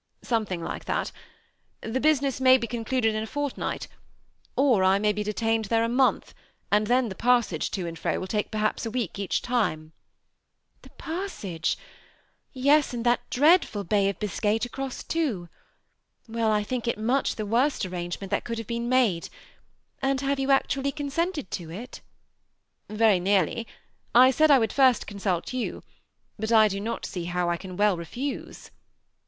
^ Something like that ; the business may be conclud ed in a fortnight, or I may be detained there a month, and then the passage to and fro will take perhaps a week each time." ^ The passage ! Yes, and that dreadful Bay of Bis 204 THE SEMI ATTACHED COUPLE. cay to cross, too. Well, I think it much the worst arrangement that could have been made. And haV'C jou actually consented to it?" ^ Very nearly. I said I would first consult you ; but I do not see how I can well refuse."